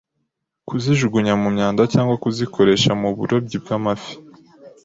kuzijugunya mu myanda cyangwa kuzikoresha mu burobyi bw’amafi